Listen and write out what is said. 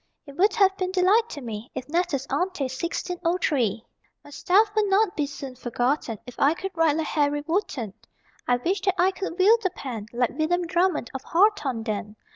It would have been delight to me If natus ante 1603. My stuff would not be soon forgotten If I could write like Harry Wotton. I wish that I could wield the pen Like William Drummond of Hawthornden.